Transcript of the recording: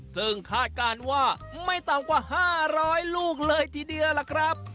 ซึ่งคาดการณ์ว่าไม่ต่ำกว่า๕๐๐ลูกเลยทีเดียวล่ะครับ